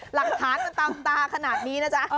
หลักฐานต่างขนาดนี้นะจ๊ะ